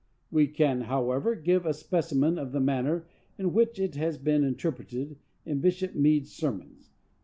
We can, however, give a specimen of the manner in which it has been interpreted in Bishop Meade's sermons, p.